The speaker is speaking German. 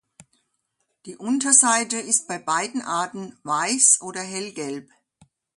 Die Unterseite ist bei beiden Arten weiß oder hellgelb.